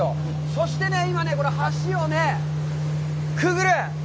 そしてね、今ね、橋をね、くぐる！